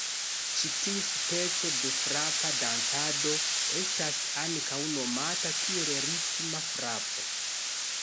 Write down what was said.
Ĉi tiu speco de frapa dancado estas ankaŭ nomata kiel ritma frapo.